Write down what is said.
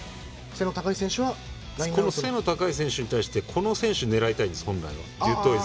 背の高い選手に対してデュポン選手を狙いたいんです。